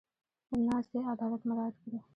د ناستې عدالت مراعت کړي.